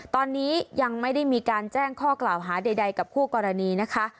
ตอนนี้ยังไม่ได้มีการแจ้งข้อกล่าวหาใดกับคู่กรณีนะคะ